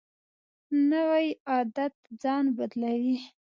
نوی عادت ځان بدلوي